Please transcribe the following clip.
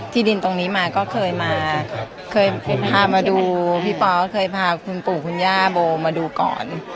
ดินตรงนี้มาก็เคยมาเคยพามาดูพี่ปอสเคยพาคุณปู่คุณย่าโบมาดูก่อน